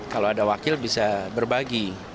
kalau ada wakil bisa berbagi